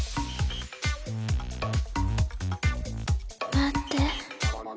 待って。